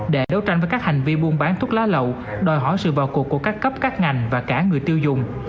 để đấu tranh với các hành vi buôn bán thuốc lá lậu đòi hỏi sự vào cuộc của các cấp các ngành và cả người tiêu dùng